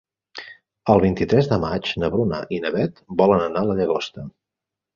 El vint-i-tres de maig na Bruna i na Beth volen anar a la Llagosta.